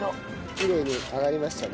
きれいに揚がりましたね。